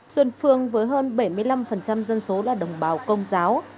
xuân phương với hơn bảy mươi năm dân số là đồng bào công giáo